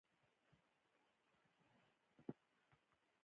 تواب په وېره يوې بلې خواته کتل…